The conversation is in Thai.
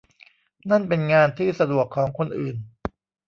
นั่นเป็นงานที่สะดวกของคนอื่น